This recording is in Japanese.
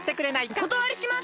おことわりします！